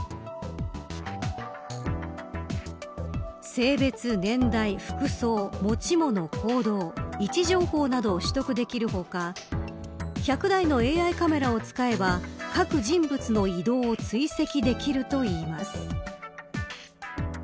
性別、年代、服装、持ち物行動位置情報などを取得できる他１００台のＡＩカメラを使えば各人物の移動を追跡できるといいます。